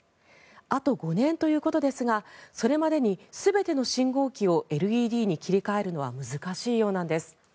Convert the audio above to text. あと５年ということですがそれまでに全ての信号機をＬＥＤに切り替えるのは難しいようなんです。